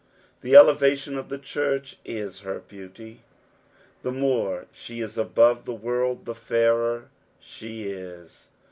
The elevation of the church is her beauty. The more she is above tne world the fairer she is.